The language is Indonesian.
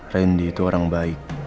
rendy itu orang baik